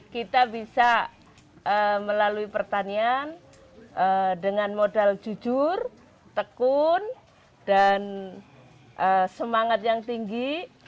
kita bisa melalui pertanian dengan modal jujur tekun dan semangat yang tinggi